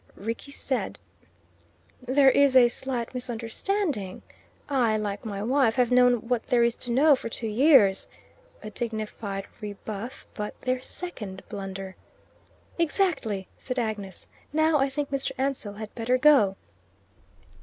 Rickie said: "There is a slight misunderstanding. I, like my wife, have known what there is to know for two years" a dignified rebuff, but their second blunder. "Exactly," said Agnes. "Now I think Mr. Ansell had better go."